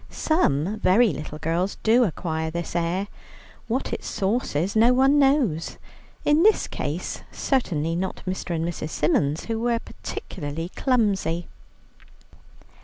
Some very little girls do acquire this air: what its source is no one knows. In this case certainly not Mr. and Mrs. Symons, who were particularly clumsy.